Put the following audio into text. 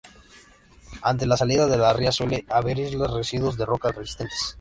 Ante la salida de las rías suele haber islas, residuos de rocas resistentes.